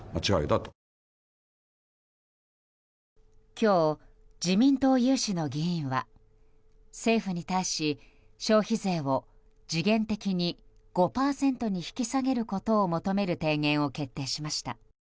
今日、自民党有志の議員は政府に対し消費税を時限的に５％に引き下げることを求める提言を決定しました。